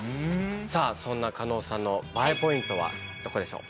さあそんな加納さんのＢＡＥポイントはどこでしょう？